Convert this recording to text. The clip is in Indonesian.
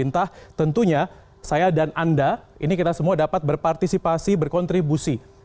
nah tentunya saya dan anda ini kita semua dapat berpartisipasi berkontribusi